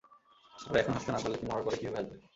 আরে এখন হাসতে না পারলে কি মরার পরে কিভাবে হাসবে?